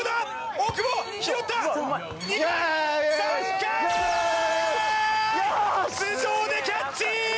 頭上でキャッチ！